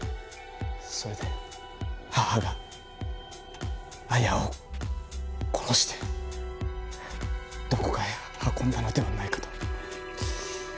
それで母が彩矢を殺してどこかへ運んだのではないかと。